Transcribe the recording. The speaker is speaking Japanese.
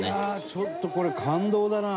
ちょっと、これ感動だな。